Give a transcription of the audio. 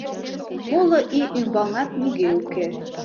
Моло ий ӱмбалнат нигӧ уке.